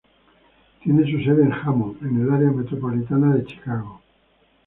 Tiene su sede en Hammond, en el área metropolitana de Chicago.